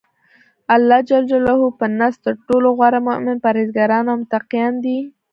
الله ج په نزد ترټولو غوره مؤمنان پرهیزګاران او متقیان دی.